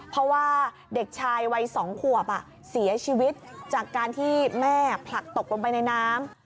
เพราะว่าเด็กชายวัย๒ขวบเสียชีวิตจากการที่แม่ผลักตกลงไปในน้ำ